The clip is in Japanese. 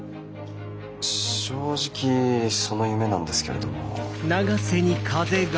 正直その夢なんですけれども。